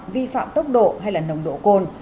vi phạm tốc độ hay là nồng độ côn